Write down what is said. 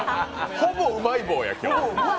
ほぼうまい棒や、今日！